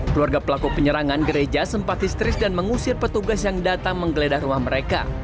keluarga pelaku penyerangan gereja sempat histeris dan mengusir petugas yang datang menggeledah rumah mereka